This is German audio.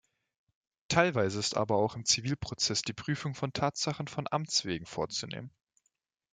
Teilweise ist aber auch im Zivilprozess die Prüfung von Tatsachen von Amts wegen vorzunehmen.